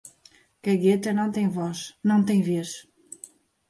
Cagueta não tem vez